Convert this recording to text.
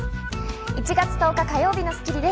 １月１０日、火曜日の『スッキリ』です。